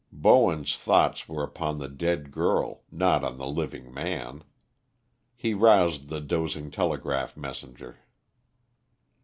Bowen's thoughts were upon the dead girl, not on the living man. He roused the dozing telegraph messenger.